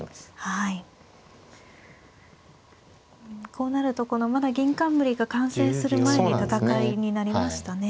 こうなるとまだ銀冠が完成する前に戦いになりましたね。